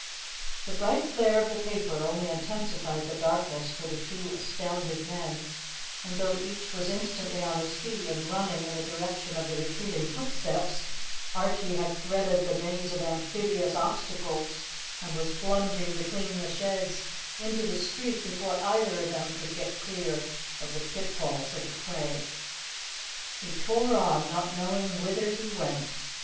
The bright flare of the paper only intensified the darkness for the two astounded men, and though each was instantly on his feet and running in the direction of the retreating footsteps, Archie had threaded the maze of amphibious obstacles and was plunging between the sheds into the street before either of them could get clear of the pitfalls of the quay. He tore on, not knowing whither he went.